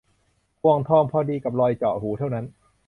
ห่วงทองพอดีกับรอยเจาะหูเท่านั้น